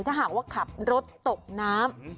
ถ้าหากว่าขับรถตกน้ำ